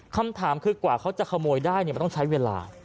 คำถามคือกว่าเขาจะขโมยได้มันต้องใช้เวลา